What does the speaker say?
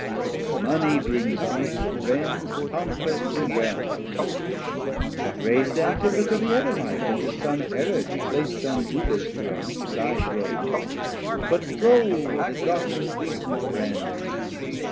Money brings Honour, Friends, Conquest, and Realms; What rais'd Antipater the Edomite, And his Son Herod plac'd on Juda's Throne; (Thy throne) but gold that got him puissant friends?